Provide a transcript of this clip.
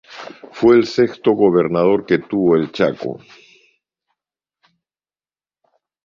Fue el sexto Gobernador que tuvo el Chaco.